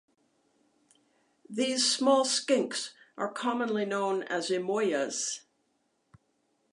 These small skinks are commonly known as emoias.